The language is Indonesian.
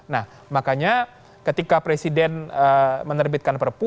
nah makanya ketika presiden menerbitkan perpu